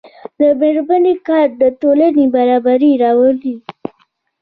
د میرمنو کار د ټولنې برابري راولي.